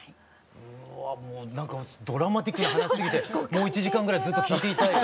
うわもうなんかドラマティックな話すぎてもう一時間ぐらいずっと聞いていたい。